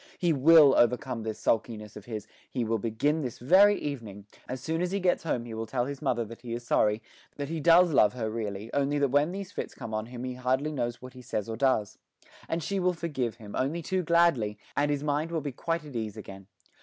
He will overcome this sulkiness of his; he will begin this very evening; as soon as he gets home he will tell his mother that he is sorry, that he does love her really, only that when these fits come on him he hardly knows what he says or does. And she will forgive him, only too gladly; and his mind will be quite at ease again.